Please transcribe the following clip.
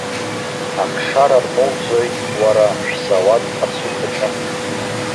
Ахшара рмоуӡои, уара, шәзауад ацуҭаҿы?